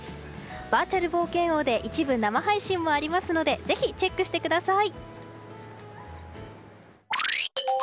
バーチャル冒険王で一部生配信もありますのでぜひチェックしてください！